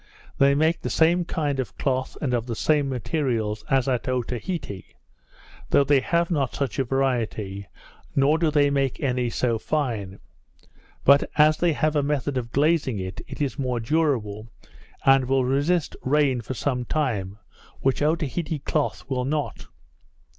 They make the same kind of cloth, and of the same materials, as at Otaheite; though they have not such a variety, nor do they make any so fine; but, as they have a method of glazing it, it is more durable, and will resist rain for some time, which Otaheite cloth will not.